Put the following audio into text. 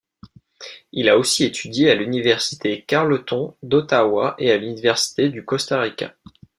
Il a aussi étudié à l’université Carleton d'Ottawa et à l’université du Costa Rica.